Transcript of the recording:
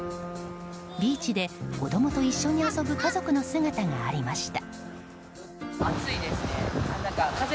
ビーチで子供と一緒に遊ぶ家族の姿がありました。